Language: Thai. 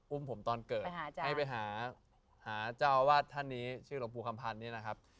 อุ้มผมตอนเกิดให้ไปหาเจ้าอาวาสท่านนี้ชื่อหลวงปู่คำพันธ์นี่นะครับ